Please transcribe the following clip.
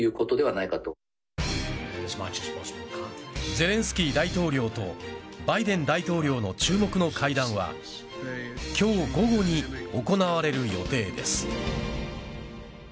ゼレンスキー大統領とバイデン大統領の注目の会談は今日、午後に行われる予定です。